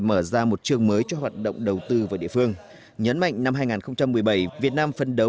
mở ra một trường mới cho hoạt động đầu tư vào địa phương nhấn mạnh năm hai nghìn một mươi bảy việt nam phân đấu